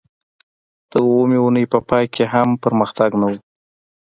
د اوومې اونۍ په پای کې هم پرمختګ نه و